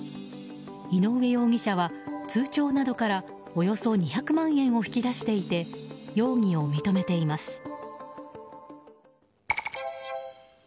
井上容疑者は通帳などからおよそ２００万円を引き出していて容疑を認めています。